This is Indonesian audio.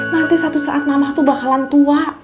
nanti satu saat mamah tuh bakalan tua